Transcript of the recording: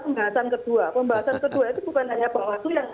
karena kita perlu lakukan untuk rilang